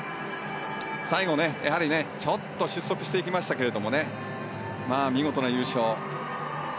最後ちょっと失速していきましたけれども見事な優勝。